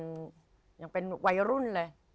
ยังเป็นวัยรุ่นเลย